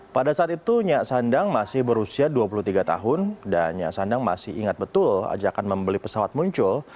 pada saat itu nyak sandang masih berusia dua puluh tiga tahun dan nyak sandang masih ingat betul ajakan membeli pesawat muncul